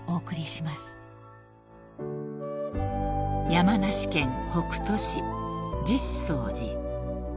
［山梨県北杜市實相寺］